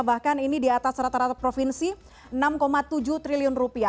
bahkan ini di atas rata rata provinsi rp enam tujuh triliun